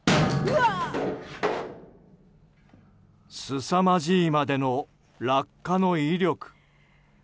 すさまじいまでの落下の威力。